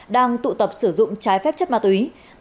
đang tụ tập sử dụng trái phép chất ma túy bên trong một quán karaoke